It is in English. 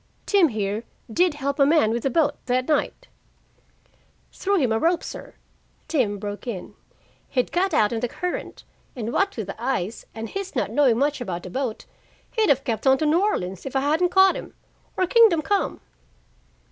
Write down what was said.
Tim here did help a man with a boat that night " "Threw him a rope, sir," Tim broke in. "He'd got out in the current, and what with the ice, and his not knowing much about a boat, he'd have kept on to New Orleans if I hadn't caught him or Kingdom Come."